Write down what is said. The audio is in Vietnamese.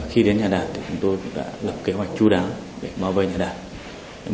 khi đến nhà đảng thì chúng tôi đã lập kế hoạch chú đáo để bao vây nhà đảng